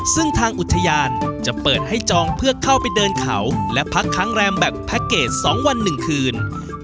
ซึ่งทางอุทยานจะเปิดให้จองเพื่อเข้าไปเดินเขาและพักค้างแรมแบบแพ็คเกจ๒วัน๑คืน